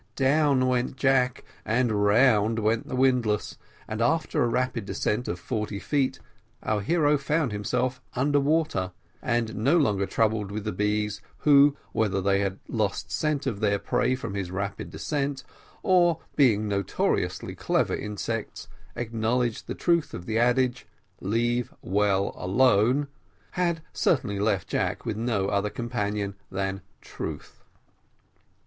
Down went Jack, and round went the windlass, and after a rapid descent of forty feet our hero found himself under water, and no longer troubled with the bees, who, whether they had lost scent of their prey from his rapid descent, or being notoriously clever insects, acknowledged the truth of the adage, "leave well alone," had certainly left Jack with no other companion than Truth.